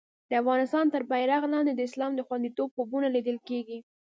د افغانستان تر بېرغ لاندې د اسلام د خوندیتوب خوبونه لیدل کېږي.